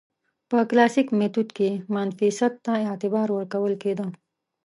په کلاسیک میتود کې مانیفیست ته اعتبار ورکول کېده.